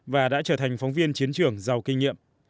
và đã trở thành phóng viên chiến trường giàu kinh nghiệm